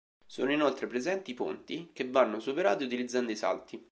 Sono inoltre presenti ponti che vanno superati utilizzando i salti.